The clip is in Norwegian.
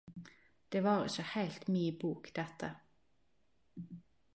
Det var ikkje heilt mi bok dette.